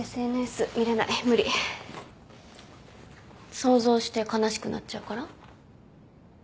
想像して悲しくなっちゃうから？